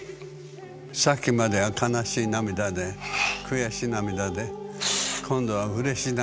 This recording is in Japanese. さっきまでは悲しい涙で悔し涙で今度はうれし涙。